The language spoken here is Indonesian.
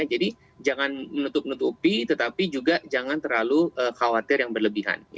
jadi jangan menutup menutupi tetapi juga jangan terlalu khawatir yang berlebihan